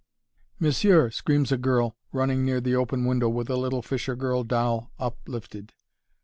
"Monsieur!" screams a girl, running near the open window with a little fishergirl doll uplifted.